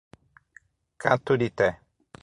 Caturité